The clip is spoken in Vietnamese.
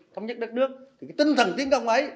thống nhất đất nước thì cái tinh thần tiến công ấy